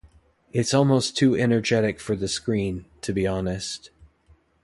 It's almost too energetic for the screen, to be honest.